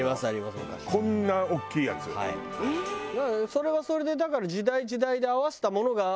それはそれでだから時代時代で合わせたものがあるんだと思うよ。